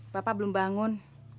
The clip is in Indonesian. bapak belum bangun